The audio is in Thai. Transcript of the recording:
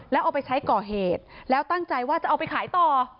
แล้วเอาไปใช้ก่อเหตุแล้วตั้งใจว่าจะเอาไปขายต่อ